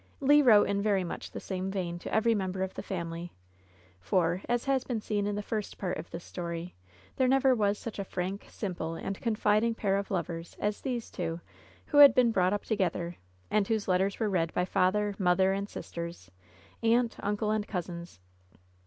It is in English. Le wrote in very much the same vein to every mem ber of the family, for, as has been seen in the first part of this story, there never was such a frank, simple and confiding pair of lovers as these two who had been brought up together, and whose letters were read by father, mother and sisters, aunt, tmcle and cousins.